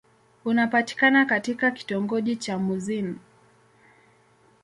Unapatikana katika kitongoji cha Mouassine.